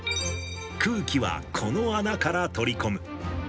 空気はこの穴から取り込む。